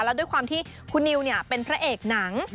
แล้วด้วยความที่คุณนิวเป็นพระเอกหนัง